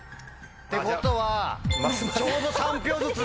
ってことはちょうど３票ずつだ。